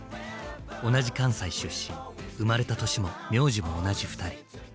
同じ関西出身生まれた年も名字も同じふたり。